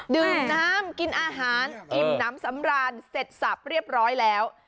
ดื่มน้ำกินอาหารอิ่มน้ำสำราญเสร็จสับเรียบร้อยแล้ว